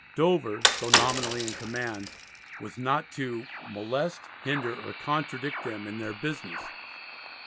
Dover, though nominally in command, was not to "molest, hinder, or contradict them in their business."